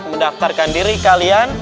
mendaftarkan diri kalian